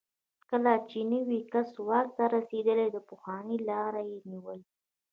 کله چې نوی کس واک ته رسېدلی، د پخواني لار یې نیولې.